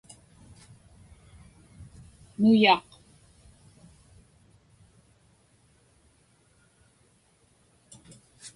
nuyaq